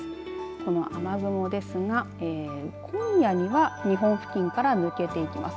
この雨雲ですが今夜には日本付近から抜けていきます。